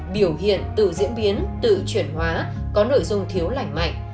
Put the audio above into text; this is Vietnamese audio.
biểu hiện tự diễn biến tự chuyển hóa có nội dung thiếu lành mạnh